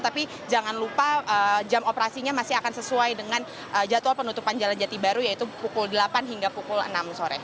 tapi jangan lupa jam operasinya masih akan sesuai dengan jadwal penutupan jalan jati baru yaitu pukul delapan hingga pukul enam sore